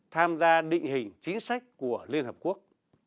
tham gia định hình chính sách của liên hợp quốc